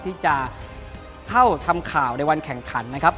ที่จะเข้าทำข่าวในวันแข่งขันนะครับ